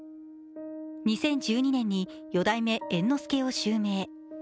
２０１２年に四代目猿之助を襲名。